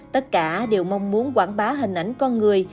tất cả đều mong muốn quảng bá hình ảnh con người